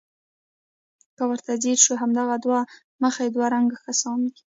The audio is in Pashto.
که ورته ځیر شو همدغه دوه مخي دوه رنګه کسان دي.